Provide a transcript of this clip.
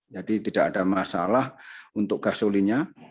jadi tidak ada masalah untuk gasolinya